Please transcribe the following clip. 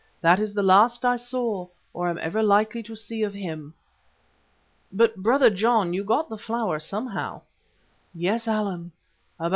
That was the last I saw, or am ever likely to see, of him." "But, Brother John, you got the flower somehow." "Yes, Allan.